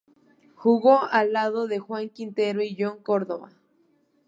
Jugó al lado de Juan Quintero y Jhon Cordoba.